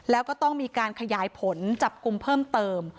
แล้วก็ต้องมีการขยายผลจับกลุ่มเพิ่มเติม